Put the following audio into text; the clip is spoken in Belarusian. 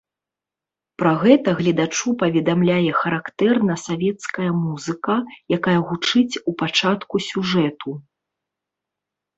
Пра гэта гледачу паведамляе характэрна савецкая музыка, якая гучыць у пачатку сюжэту.